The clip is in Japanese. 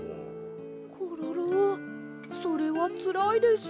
コロロそれはつらいです。